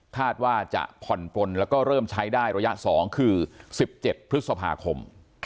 คาดว่าจะผ่อนปลนแล้วก็เริ่มใช้ได้ระยะ๒คือ๑๗พฤษภาคม